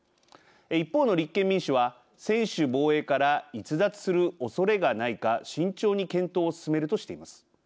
一方の立憲民主は専守防衛から逸脱するおそれがないか慎重に検討を進めるとしています。